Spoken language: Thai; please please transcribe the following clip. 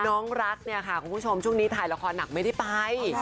น้องรักเนี่ยค่ะคุณผู้ชมช่วงนี้ถ่ายละครหนักไม่ได้ไป